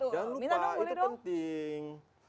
jangan lupa itu penting